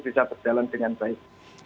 bisa berjalan dengan baik